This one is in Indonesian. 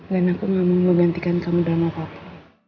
dan aku gak mau menggantikan kamu dalam apa apa